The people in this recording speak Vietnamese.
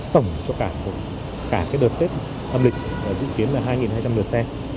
tổng cho cả đợt tết âm lịch dự kiến là hai hai trăm linh lượt xe